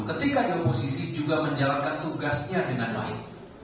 ketika di oposisi juga menjalankan tugasnya dengan baik